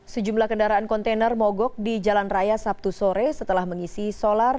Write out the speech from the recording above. sejumlah kendaraan kontainer mogok di jalan raya sabtu sore setelah mengisi solar